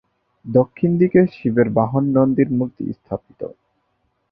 দক্ষিণ দিকে শিবের বাহন নন্দীর মূর্তি স্থাপিত।